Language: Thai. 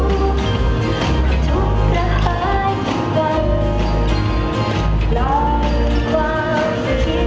กลุ่มทุกการ์บรรดิรู้